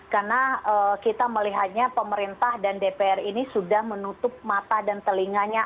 karena kita melihatnya pemerintah dan dpr ini sudah menutup mata dan telinganya